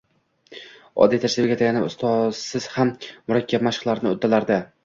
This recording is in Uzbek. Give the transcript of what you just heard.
oddiy tajribaga tayanib, ustozsiz ham murakkab mashqlarni uddalardi.